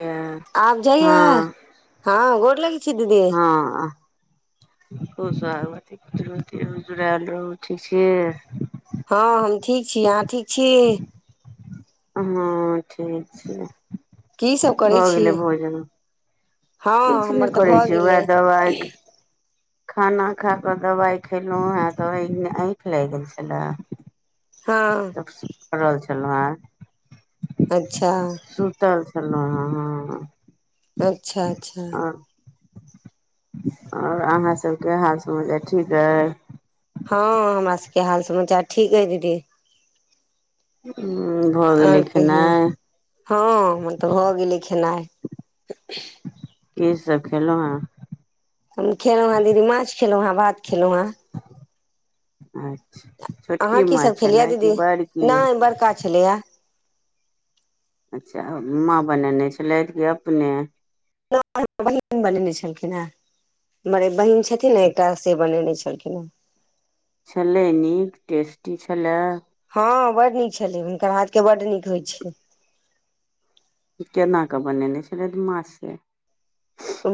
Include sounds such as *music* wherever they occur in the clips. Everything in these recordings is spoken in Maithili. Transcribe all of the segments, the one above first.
हँ आब जाइया हँ गोर लगै छी दीदी हँ। खू सोहागवती रहू, जुड़ायल रहू, ठीक छी हँ हम ठीक छी, अहाँ ठीक छी। हँ ठीक छी, की सब करै भ छी गेलै भोजन। हँ किछु नहि हमर तऽ करै भऽ छी उहे गेलै दबाइ एक खाना खाक दबाइ खेलहुँ हें त आँखि लागि गेल छले हँ। सुतल छलहुँ हेँ। अच्छा। सुतल छलहु हें हँ अच्छा अच्छा। और अहाँ सबके हाल समाचार ठीक अछि। हँ हमरा सबके हाल समाचार ठीक है दीदी। हुं। और कहियौ, हँ हमर त भ गेलै खेनाइ। की सब खेलहुँ हें। हम खेलहुं हेँ दीदी माछ खेलहुँ हेँ भात खेलहुं हँ। अच्छा, छोटकी अहाँ की सब माँछ खेलियै छले कि दीदी बड़की। नहि बड़का छलैये। अच्छा माँ बनेने छलथि कि अपने। बहिन बनेने छलखिन हेँ। हमर बहिन छथिन ने एकटा से बनेने छलखिन हँ। छलै नीक टेस्टी छलै। हँ बड नीक छलै हुनकर हाथके बड नीक होइ छै। केनाके बनेने छलैथ माछ से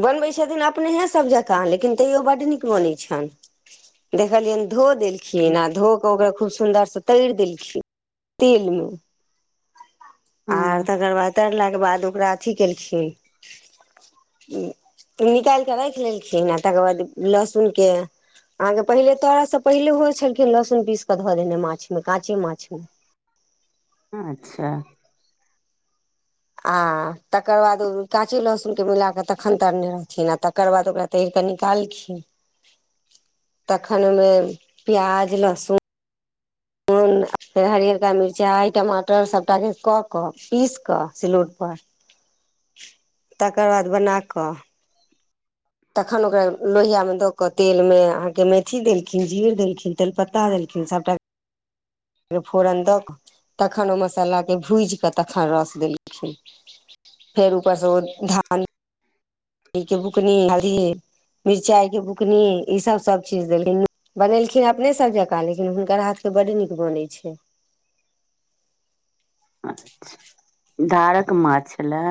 बनबैत छथिन अपनेहे सभ जकाँ लेकिन तैयो बड नीक बनै छनि। देखलियनि धो देलखिन आ धो क ओकरा खूब सुन्दरसँ तरि देलखिन तेलमे आर हँ तकर बाद तरलाके बाद ओकरा अथि केलखिन निकालि क राखि लेलखिन आ तकर बाद लहसुनके अहाँके पहिले तरै से पहिले होइ छलखिन लहसुन पीस क ध देने माछ मे काँचे माछ मे अच्छा। आ तकर बाद ओ काचे लहसुनके मिलाक तखन तरने रहथिन आ तकर बाद ओकरा तैर क निकालखिन। *inaudible* तखन ओहिमे प्याज लहसुन नून फेर हरिअरका मिरचाइ टमाटर सभटाके क क पीस क सिलौटपर *inaudible* तकर बाद बना क तखन ओकरा लोहियामे द क तेलमे अहाँके मेथी देलखिन जीर देलखिन तेजपत्ता देलखिन सभटा फेर फोरन द क तखन ओ मसालाके भूजि क तखन रस देलखिन। फेर ऊपर से ओ धान धनी के बुकनी हल्दी, मिरचाई के बुकनी ई सब सब चीज देल बनेलखिन अपने सभ जकाँ लेकिन हुनकर हाथ से बड नीक बनै छै अचछा, धारक माछ छले।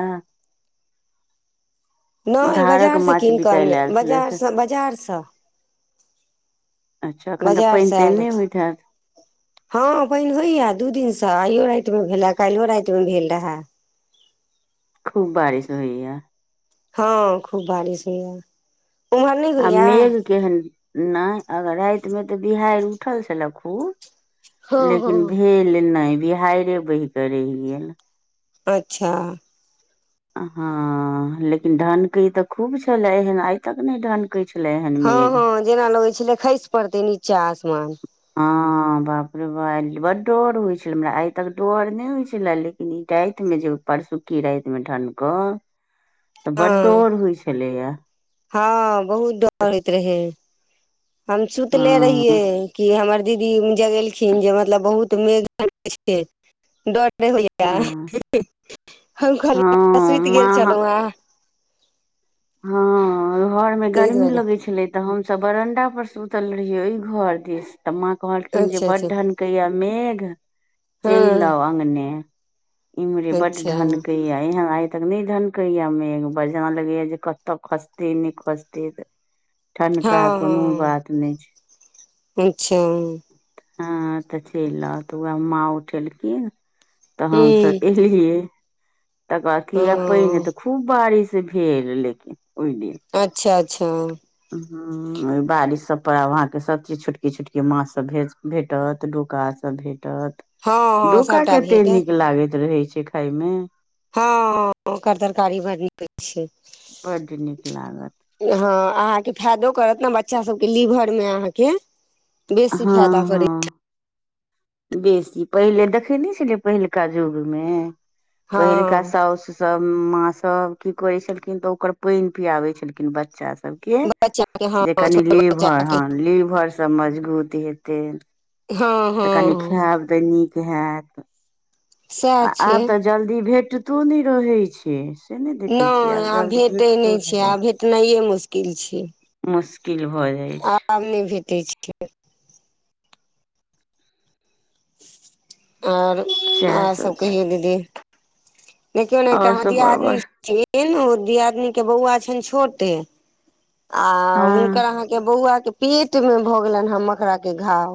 नहि धारक बाजारसँ माछ कीन कऽ बिकााय ल अनने आयल छलथि बाजारसँ बाजारसँ अच्छा एखन तऽ बाजारसँ पानि आयल तानि नहि अछि। होइत हयत हँ बहिन होइये दू दिनसँ आइयो राति मे भेले काल्हियो राति मे भेल रहए। खूब बारिश होईए। हँ खूब बारिश होइये। आ मेघ केहन नहि अगर राति मे त बिहाड़ि उठल छले खूब। हँ लेकिन हँ भेल नहि बिहारे बहि क रहि गेल। अच्छा। हँ लेकिन ढनकै त खूब छलै एहन आइ तक नहि ढन कै छलै एहन हँ मेघ हँ जेना लगै छलै खसि पड़तै नीचा आसमान। हँ। हँ बाप रे बा बड डर होइ छलै, हमरा आइ तक डर नहि होइ छलै लेकिन ई रातिमे जे परसुकी राति मे ठनके त बड हँ डर होइ छलैये। हँ बहुत डर होइत रहै, हम सुतले हँ रहियै कि हमर दीदी जगेलखिन जे मतलब बहुत मेघ छै नै होइये, हँ हम खाली हँ सुति गेल माँ छलहुँँ हें हँ घर मे ताहि गर्मी दुआरे लगै छलै त हमसब बरंडा पर सुतल रहियै ओहि घर देिस त माँ कहलखिन जे अच्छा बड़ अच्छा ढन कहिआ मेघ चहि हँ आउ अगने इम्हरे बड अच्छा ढनके या एहन आ तक नै ढनकै या मेघ ब जेना लगै या जे कतऽ खसते नै खसते त ठनका हँ कुनू बात नै छै। ई छै। हां तऽ चैल आ त वाएह माँ उठेलखिन तहन से हँ ए लिये, तकर बाद किया पेएन एते खूब बारिश भेल लेकिन ओय अच्छा-अच्छा। उम्म ए बारिश सब पर आब अहाँके सब चीज छोटकी-छोटकी माछ सब भेज भेटत डोका सब भेटत, हँ डोका सभटा कते भेटत नीक लागैत रहै छै खायमे। हां ओकर तरकारी बड़ नीक हय छै। बड नीक लागत हां अहाँके फायदो करत ने बच्चा सबके लीभर मे अहाँके बेसी हँ फायदा करै हँ बेसी पहिले देखे नै छलै पहिलका जुग मे पहिलका हँ सोउस सब माँ सब की करै छलखिन तऽ ओकर पेएन पियाबै छलखिन बच्चा सब के बच्चा के हँ जे कनि छोट बच्चा लीभर के हां लीभर सब मजगुत हेतै। हां-हां। तऽ कनी खाएब तऽ नीक हाएत। सएह आ छै आब तऽ जल्दी भेटतो नै रहै छै। से नहि नै देखै छियै आब जल्दी भेटै नै भेटतो नहि छै, रहै आब भेटनाइये मुश्किल छै। मुश्किल भऽ जाइ छै आब नै भेटै छै। और सएह आर सब छै कहियो दीदी। देखियौ ने एकटा आओर हां सब बड़ दियादनी बड़ छी उ दियादिनी के बौअवा छैन छोटे आ हँ हुनकर अहाँ के बौअवा के पेट मे भऽ गेलैन हय मकड़ा के घाव।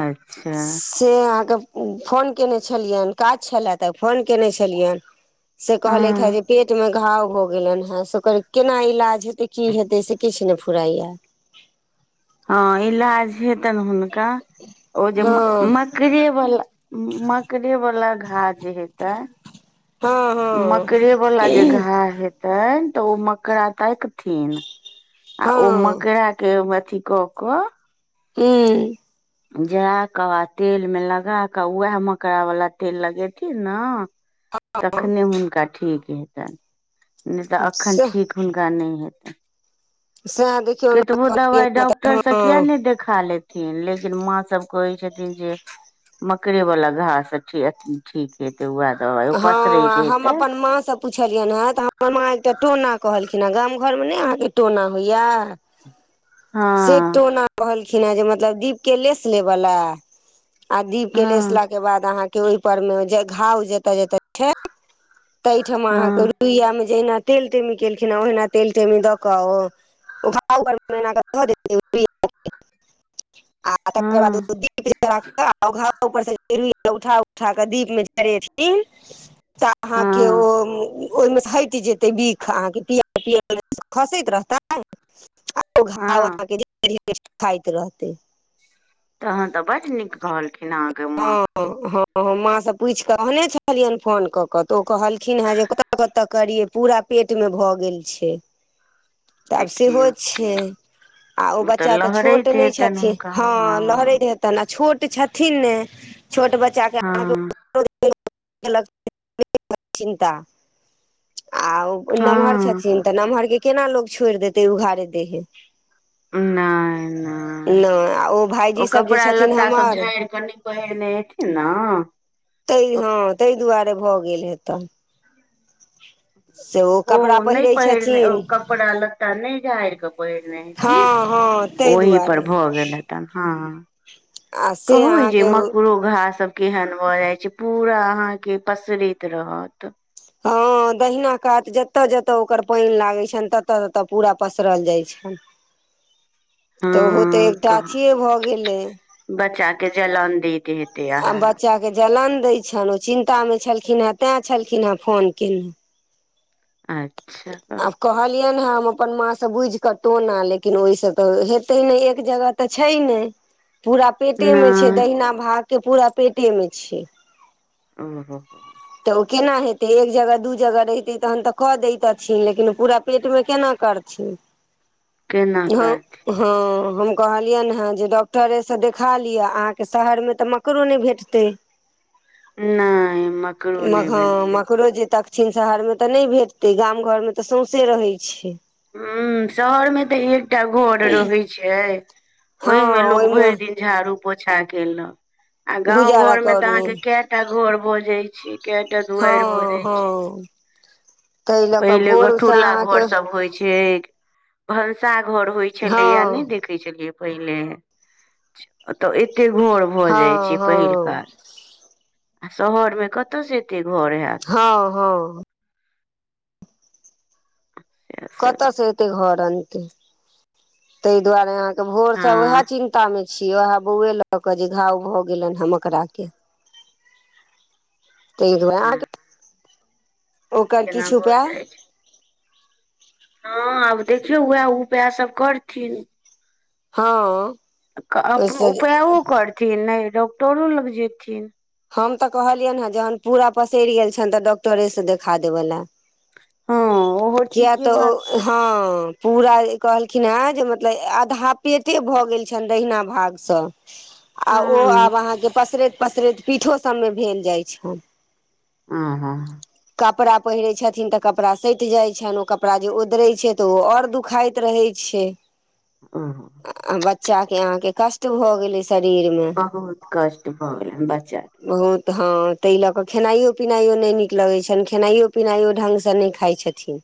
अच्छा। से अहाँके उम्म फोन केने छलयैन, काज छलाए तऽ फोन केने छलयैन। से हँ कहलैथ हय जे पेट मे घाव भ गेलैन हेँ से ओकर केना इलाज हेतै की हेतै से किछ नै फुराय या। हां इलाज हेतन हुनका ओ जे हँ म मकड़े वला उम्म मकड़े वला घा जे हेतै। हँ हँ मकड़े वला जे घा हेतैन तऽ ओ मकड़ा ताकथिन आ ओ हँ मकड़ा के अथि क क हुं। जा कऽ आ तेल मे लगा कऽ वाएह मकड़ा वला तेल लगेथिन ना तखने हुनका ठीक हेतै नै तऽ अखन सएह ठीक हुनका नै हेतै। साएह देख केतबो दबाय डॉकटर से किया नै देखा लेथिन लेकिन माँ सब कहै छथिन जे मकड़े वला घा से ठी अ ठीक हेतै वाएह दबाय ओ पसरेत हेतै। पुछलियन हेँ तऽ हमर माँ एकटा टोना कहलखिन हे गाम घर मे नै अहाँके टोना होयया। से हँ टोना कहलखिन हेँ जे मतलब दीप के लेस लेबे ला आ दीप के हँ लेसला के बाद अहाँ के ओय पर मे जे घाव जता-जता तै ठमा अहाँके हँ रुइया मे जैहना तेल तेल केलखिन ए ओहना तेल तेल मे दऽ कऽ ओ घाव ऊपर मे एहना क ध दऽ देतै उ रुइया। आ तकर बाद हँ उ दीप जला के आ उ घाव उपर से उठा उठा के दीप मे जरेने छथिन। अहाँके ओ हँ ओहिमे हटि जेतै बिख अहाँके दिआ मे खसैत रहता ाव अह हँ ध खाइत रहतै *unintelligible* तखैन त बड नीक कहलखिन हेँ हँ हँ माँ से पूछि क अनै छलियनि फोन क क त ओ कहलखिन हेँ जे कि कत कत करियै पूरा पेट मे भ गेल छै *inaudible* त आब सेहो देखियौ छै आ ओ तऽ बच्चा त छोट लहरैत नहि हेतनि छथिन हुनका हँ लहरैत हेतै तेना छोट छथिन नै छोट बच्चाके हँ अहाँके चिन्ता आउ *unintelligible* ओ नमहर हँ छथिन त नमहर के केना लोको छोड़ि देतै उघारे देहे नै नै नहि आ ओ भायजीसभ जे कपड़ा छथिन लत्ता सब हमर झाड़ि क न पहिरने हेथिन न तै हँ तै दुआरे भ गेल हेतै ओ कपड़ा नहि पहिरै पहिरने छथिन कपड़ा लत्ता नहि झाड़िके पहिरने हेथिन हँ हँ ताहि ओहि पर दुआरे भऽ गेल हेतैन हँ आ से कहु जे अहाँके मकड़ो ओहे सब केहन भ जाय छै पूरा अहाँ के पसरैत रहत। हँ। दहिना कात जत जत ओकर पानि लागैत छनि तत तत पूरा पसरल जाइ छनि। *inaudible* त ओहो त एकटा कह अथिये भ गेलै बच्चा के जलन दैत हेतै आ अहा बच्चाके जलन दैत छनि ओ चिन्तामे छलखिन हेँ तैँ छलखिनेँ फोन केने अच्छा। कहू अच्छा। कहलियनि हँ हम अपन माँ सँ बुझि क टोना लेकिन ओहिसँ त हेतै नहि एक जगह त छै नहि पूरा पेटे में छै नहि दहिना भाग के पूरा पेटे में छै। ओ हो। त ओ केना हेतै एक जगह दू जगह रहितै तखन त क दैतथिन लेकिन ओ पूरा पेटमे केना करथिन। केना हँ करथिन। हँ हम कहलियनि हँ जे डॉक्टरेसँ देखा लिअ, अहाँके शहरमे त मकड़ो नहि भेटतै नहि मकरो नहि भेटतै। रोजी तक। एहेन शहरमे त नहि भेटतै गाम घरमे त सौसे रहैत छै। ह शहर में त एकटा घर रहे छै हँ ओहि मे लोक भरि ओहिमे दिन झाड़ू पोछा केेलक आ गांव गुजारा घर में ते अहाँ करू के कयटा घर भ जाइ छै कयटा दुआरि भ हँ जाइ छै। हँ ताहि लऽ कऽ पहिले भोरसँ गठुल्ला अहाँके घर सभ होइ छै। भनसा घर होइ छलैए नहि हँ देखैत छलियै पहिले त एतेक घर भ जाइ हँ छै पहिलका। हँ आ शहर मे कत से एते घर हयत। हँ हँ। कत सब से एते घर अनतै ताहि दुआरे अहाँके भोर सं वैह हँ चिन्ता ता मे छी वहाए बौअवे लऽ के जे घाव भऽ गेलैन ह मकड़ा के। ते दुआ अहाँ के ओकर एना किछ भऽ उपाय हां आब देखियौ वाएह उपाय सब करथिन। हां। क अपन उपायो करथिन नै डॉक्टरो लग जेथिन। हम तऽ कहलियैन हय जहन पूरा पसैर गेल छन तऽ डॉक्टरे से देखा देबे लए। हँ ओहो किया ठीके तऽ बात ओ छै हां। पूरा ए कहलखिन हेँ जे मतलब आधा पेटे भऽ गेल छन दहिना भाग से। *inaudible* आ ओ आब अहाँके पसरैत-पसरैत पीठो सब मे भेल जाय छन। आहा। कपड़ा पहिरै छथिन तऽ कपड़ा सैएट जाय छन ओ कपड़ा जे ओदरै छै। तऽ उ और दुखाएत रहै छै। आहा। बच्चा के अहाँके कष्ट भ गेलै। शरीरमे बहुत कष्ट भऽ गेलैन बच्चा के। बहुत हां तै लऽ कऽ खेनाइयो-पिनाइयो नै नीक लगै छन, खेनाइयो-पिनाइयो ढंग से नै खाय छथि।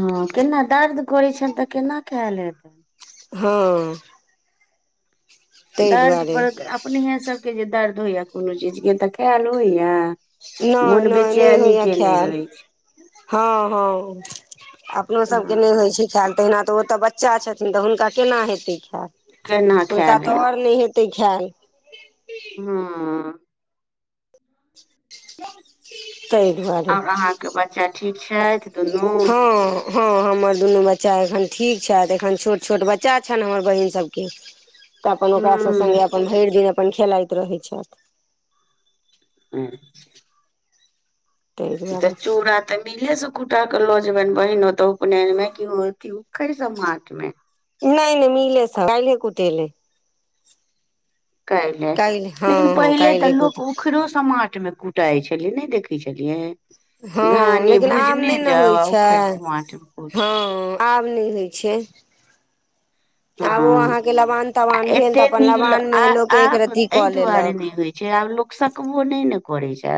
हां केना दर्द करै छैन तऽ केना खाएल हे हां। दर्द दुआरे पर अपनेहे सबके जे दर्द होयया कोनो चीजके तऽ खाएल होयया। नै नै नै होयया खाएल। रहै छै हां-हां अपनो हँ सबके नै होय छै। खाएल तेहना तऽ ओ तऽ बच्चा छथिन तऽ हुनका केना हेतै खाएल, केना हुनका खायल तऽ हेत और नै हे ते खाएल। हां। तै दुआरे। के बच्चा ठीक छैथ दुनू। हां हमर दुनू बच्चा एखन ठीक छैथ, एखन छोट-छोट बच्चा छन हमर बहिन सबके *inaudible* तऽ अपन ओकरा सब संगे अपन भैर दिन अपन खेलाएत रहै छैथ। हुं। ताहि ई त दुआरे चूड़ा तऽ मिले से कुटा के लऽ जेबैन बहिन ओते उपनैन मे कि अथी उखैड़ समाट मे। नै-नै मिलै से काएले कुटेलै। काएले काल्हि हँ लेकिन हँ पहिले तऽ काल्हि लोक कुटे उखड़ो समाट मे कु टाए छलै नै देखै छलियै। हां धाने लेकिन आब नै भुजने ने जाउ होय आ छै, उखड़ि समाट मे हां। कुटू आब नै होय छै। आब ओ हँ अहाँके आ लबान-तबान भेल एते तऽ अपन नीक ल लबान आ मे लोक एक आब रति एहि कऽ दुआरे लेलक। नहि होइ छै आब लोक सकबो नै-नै करै छै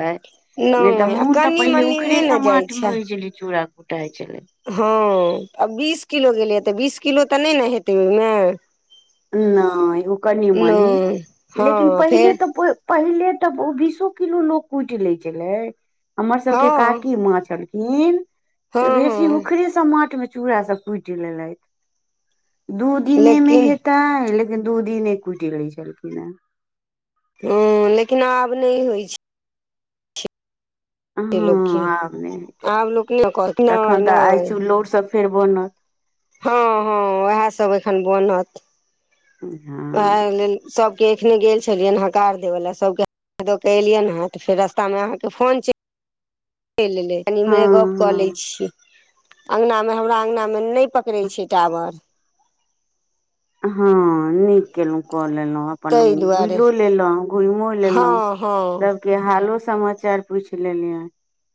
नै तऽ नहि आ मुन तऽ कनि पहिले मनि उखड़े नहि ने समाट मे होय छलै चूड़ा कुटाए छलै। हां आब बीस किलो गेलैया तऽ बीस किलो तऽ नै ने हेतै ओयमे। नै उ कनि-मनी नहि लेकिन हँ पहिले फेर तऽ पे पहिले तऽ ओ बीसो किलो लोक कुटि लै छलै हमर सब के हँ काकी मा छलखिन खिन हँ बेसी हँ उखड़ेसँमाट मे चूड़ा सब कुटि लेलथि। दू दिने मे लेकिन हेतैन लेकिन दू दिने कुटि लै छलखिन हेँ हँ लेकिन आब नहि होइ छै। छै हँ लोकके आब नहि होइत आब लोक नहि कहत छै नहि तखन तऽ आइ नहि चूल्लोर सब फेर बनत हँ हँ ओएह सब एखन बनत हँ ओएह लेल सभके एखने गेल छलियनि हकार देैवलै सभके द के एलियैन हैं तऽ फेर रस्तामे अहाँके फोन च लि एलै कनि इम्हरे गप क ले हँ छियै अंगना मे हमरा अंगना मे नहि पकड़े हँ छै टावर हँ नीक केलहुँ कऽ लेलहुँ अपन ताहि दुआरे बुलिओ लेलहुँ घुमियो लेलहुँ हँ हँ सब के हालो समाचार पूछ लेलियैन